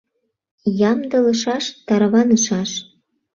Ямдылышаш, тарванышаш!